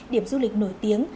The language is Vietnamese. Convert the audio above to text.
điểm du lịch nổi tiếng